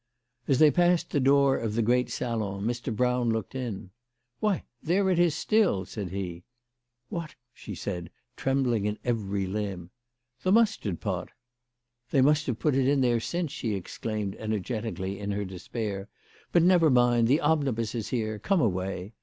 As they passed the door of the great salon, Mr. Brown looked in. " Why, there it is still !" said he. " What ?" said she, trembling in every limb. " The mustard pot !"" They have put it in there since," she exclaimed energetically, in her despair. " But never mind. The omnibus is here. Come away."